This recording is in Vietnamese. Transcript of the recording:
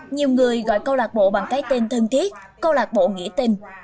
nhiều người gọi câu lạc bộ bằng cái tên thân thiết câu lạc bộ nghĩa tình